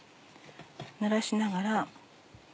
ぬらしながら。